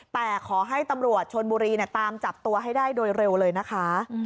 แต่ขอให้ตำรวจชนบุรีตามจับตัวให้ได้โดยเร็วเลยนะคะ